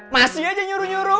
masih aja nyuruh nyuruh